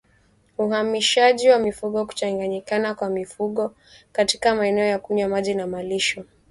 Uhamishaji wa mifugo Kuchanganyikana kwa mifugo katika maeneo ya kunywa maji na malisho